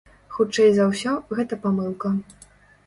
Хутчэй за ўсё, гэта памылка.